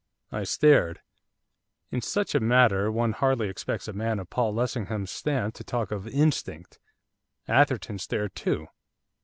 I stared. In such a matter one hardly expects a man of Paul Lessingham's stamp to talk of 'instinct.' Atherton stared too.